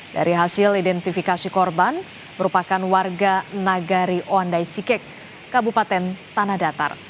dari hasil identifikasi korban merupakan warga nagari oandai sikek kabupaten tanah datar